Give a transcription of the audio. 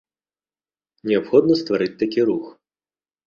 Неабходна стварыць такі рух.